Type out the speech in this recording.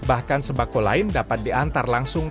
bahkan sembako lain dapat diantar langsung